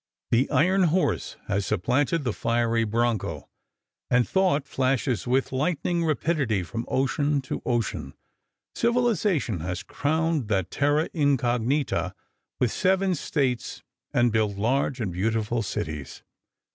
The iron horse has supplanted the fiery bronco, and thought flashes with lightning rapidity from ocean to ocean. Civilization has crowned that terra incognita with seven States and built large and beautiful cities.